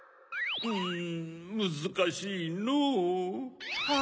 んむずかしいのぅ。